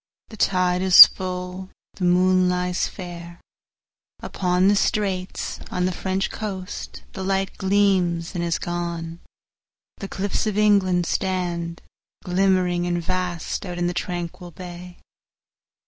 The tide is full, the moon lies fairUpon the straits;—on the French coast the lightGleams and is gone; the cliffs of England stand, Glimmering and vast, out in the tranquil bay.